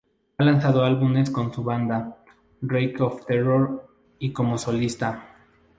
Ha lanzado álbumes con su banda, Reign of Terror y como solista.